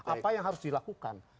apa yang harus dilakukan